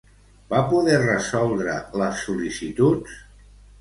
Va poder resoldre les sol·licituds?